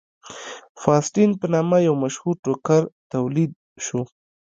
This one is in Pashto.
فاسټین په نامه یو مشهور ټوکر تولید شو.